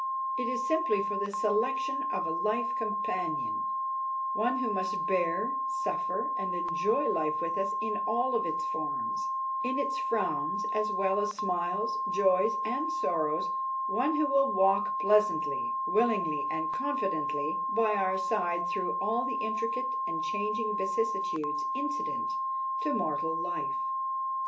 It is simply for the selection of a life companion—one who must bear, suffer, and enjoy life with us in all of its forms; in its frowns as well as smiles, joys, and sorrows—one who will walk pleasantly, willingly, and confidingly by our side through all the intricate and changing vicissitudes incident to mortal life.